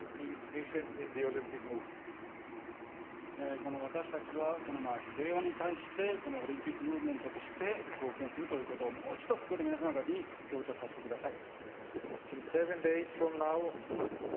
この私たちは平和に対して、このオリンピックムーブメントとして貢献するということを、もう一度ここで皆様方に強調させてください。